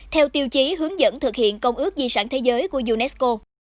theo tiêu chí hướng dẫn thực hiện công ước di sản thế giới của unesco